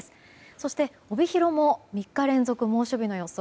そして帯広も３日連続猛暑日の予想。